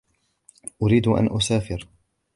أريد أن أسافر